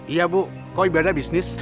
iya bu kok ibadah bisnis